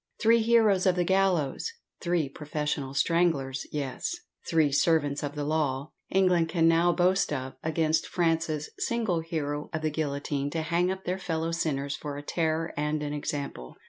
Three heroes of the gallows three professional stranglers yes, "three servants of the law," England can now boast of, against France's single hero of the guillotine to hang up their fellow sinners for a terror and an example!